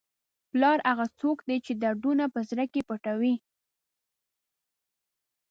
پلار هغه څوک دی چې دردونه په زړه کې پټوي.